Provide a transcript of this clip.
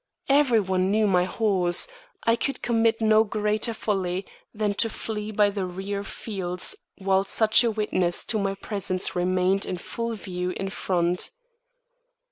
Every one knew my horse. I could commit no greater folly than to flee by the rear fields while such a witness to my presence remained in full view in front.